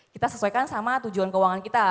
kita sesuaikan sama tujuan keuangan kita